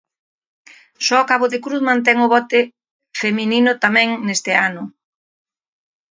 Só Cabo de Cruz mantén o bote feminino tamén neste ano.